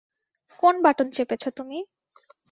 কোন বাটন চেপেছ তুমি?